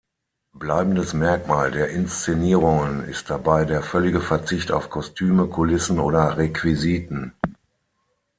Bleibendes Merkmal der Inszenierungen ist dabei der völlige Verzicht auf Kostüme, Kulissen oder Requisiten.